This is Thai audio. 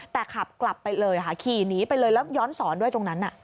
แต่ขับกลับไปเลยค่ะขี่หนีไปเลยแล้วย้อนสอนด้วยตรงนั้น